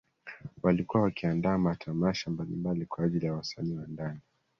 Walikuwa wakiandaa matamasha mbalimbali kwa ajili ya wasanii wa ndani